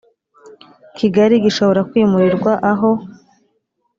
kigali gishobora kwimurirwa aho